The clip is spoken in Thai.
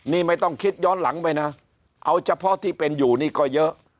นี่ไม่ต้องคิดย้อนหลังไปนะเอาเฉพาะที่เป็นอยู่นี่ก็เยอะ